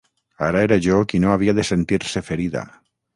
Ara era jo qui no havia de sentir-se ferida.